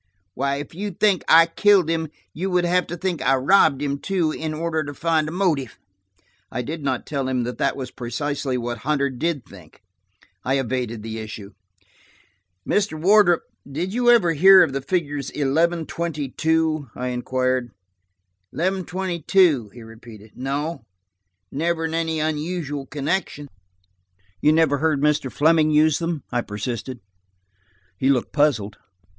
Why, if you think I killed him, you would have to think I robbed him, too, in order to find a motive." I did not tell him that that was precisely what Hunter did think. I evaded the issue. "Mr. Wardrop, did you ever hear of the figures eleven twenty two?" I inquired. "Eleven twenty two?" he repeated. "No, never in any unusual connection." "You never heard Mr. Fleming use them?" I persisted. He looked puzzled.